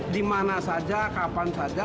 di mana saja kapan saja